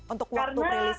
untuk waktu rilisan